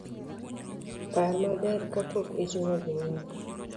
Par maber kapok itimo gimoro